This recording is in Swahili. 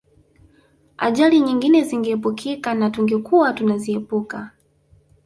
Ajali nyingine zingeepukika na tungekuwa tunaziepuka